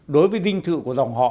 đối với dinh thự của dòng họ